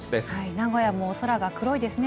名古屋も空が黒いですね。